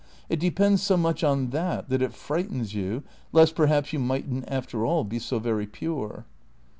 It depends so much on that that it frightens you lest, perhaps, you mightn't, after all, be so very pure."